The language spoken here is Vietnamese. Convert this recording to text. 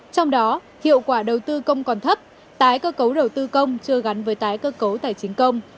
trong đó hiệu quả đầu tư công còn thấp tái cơ cấu đầu tư công chưa gắn với tái cơ cấu tài chính công